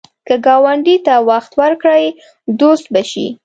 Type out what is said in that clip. که ګاونډي ته وخت ورکړې، دوست به شي